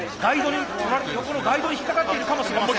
横のガイドに引っ掛かっているかもしれません。